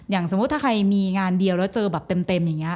สมมุติถ้าใครมีงานเดียวแล้วเจอแบบเต็มอย่างนี้